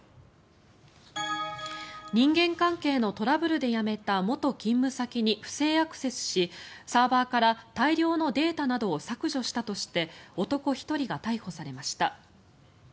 人間関係のトラブルで辞めた元勤務先に不正アクセスしサーバーから大量のデータなどを削除したとして男１人が逮捕されました。